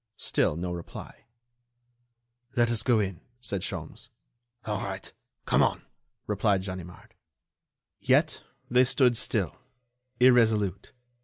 Still no reply. "Let us go in," said Sholmes. "All right, come on," replied Ganimard. Yet, they stood still, irresolute.